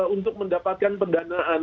untuk mendapatkan pendanaan